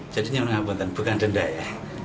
jadi ini yang mengaburkan bukan denda ya